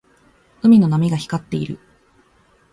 海の波が光っている。